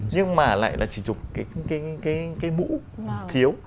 nhưng mà lại là chỉ chụp cái mũ thiếu